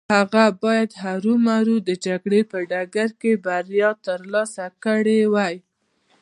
هغه بايد هرو مرو د جګړې په ډګر کې بريا ترلاسه کړې وای.